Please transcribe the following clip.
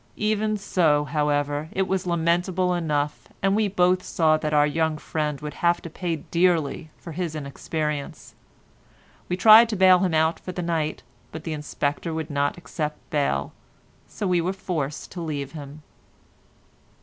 Even so, however, it was lamentable enough, and we both saw that our young friend would have to pay dearly for his inexperience. We tried to bail him out for the night, but the Inspector would not accept bail, so we were forced to leave him.